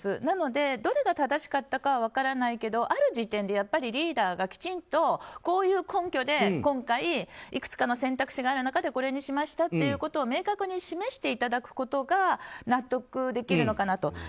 なので、どれが正しかったかは分からないけどある時点でやっぱりリーダーがきちんとこういう根拠で今回いくつかの選択肢がある中でこれにしましたということを明確に示していただくことが納得できるのかなと。